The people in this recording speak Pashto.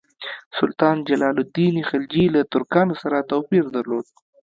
سلطان جلال الدین خلجي له ترکانو سره توپیر درلود.